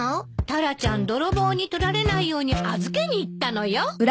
タラちゃん泥棒に取られないように預けにいったのよ。